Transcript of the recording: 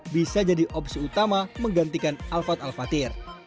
bisa jadi opsi utama menggantikan alphard alphatir